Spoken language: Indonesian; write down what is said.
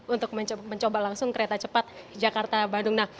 untuk mencoba langsung kereta cepat jakarta bandung